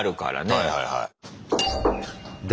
はいはいはい。